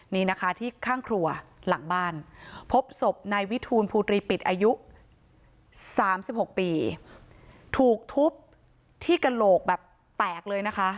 นี่นะคะที่ข้างครัวหลังบ้านพบศพนายวิทูลภูตรีปิดอายุ๓๖ปีถูกทุบที่กระโหลกแบบแตกเลยนะคะ